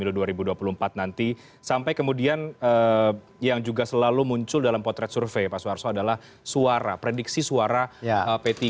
untuk kuliah kebudayaan di pemilu dua ribu dua puluh empat nanti sampai kemudian yang juga selalu muncul dalam potret survei pak suwarso adalah suara prediksi p tiga